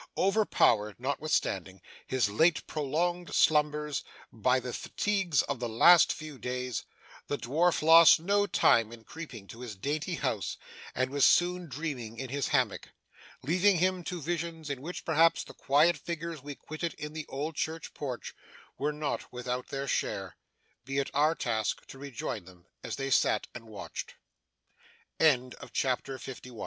Overpowered, notwithstanding his late prolonged slumbers, by the fatigues of the last few days, the dwarf lost no time in creeping to his dainty house, and was soon dreaming in his hammock. Leaving him to visions, in which perhaps the quiet figures we quitted in the old church porch were not without their share, be it our task to rejoin them as th